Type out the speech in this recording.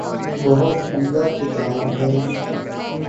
بہت عمدہ کتاب ہے۔